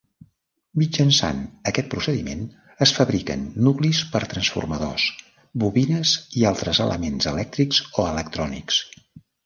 Mitjançant aquest procediment es fabriquen nuclis per transformadors, bobines i altres elements elèctrics o electrònics.